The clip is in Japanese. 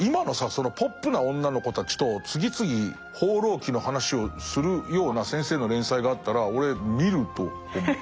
そのポップな女の子たちと次々「放浪記」の話をするような先生の連載があったら俺見ると思う。